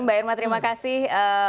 mbak irma terima kasih